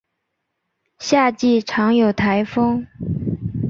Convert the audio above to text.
夏季常有台风。